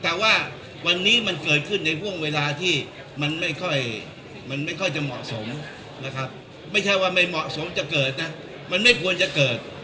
แต่ว่าวันนี้มันเกิดขึ้นในห่วงเวลาที่มันไม่ค่อยมันไม่ค่อยจะเหมาะสมนะครับไม่ใช่ว่าไม่เหมาะสมจะเกิดนะมันไม่ควรจะเกิด